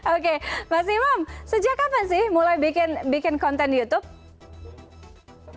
oke mas imam sejak kapan sih mulai bikin konten youtube